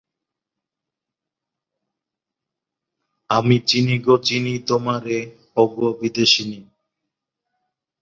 মুক্তিযোদ্ধাদের পক্ষে চারজন শহীদ ও কয়েকজন আহত হন।